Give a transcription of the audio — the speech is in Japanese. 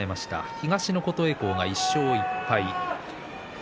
東の琴恵光が１勝１敗。